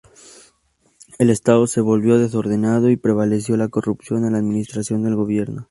El estado se volvió desordenado y prevaleció la corrupción en la administración del gobierno.